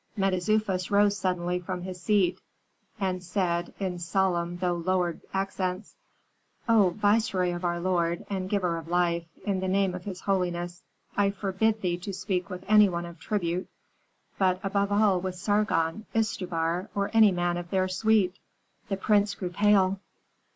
Mentezufis rose suddenly from his seat, and said, in solemn though lowered accents, "O viceroy of our lord, and giver of life, in the name of his holiness I forbid thee to speak with anyone of tribute, but, above all, with Sargon, Istubar, or any man of their suite." The prince grew pale.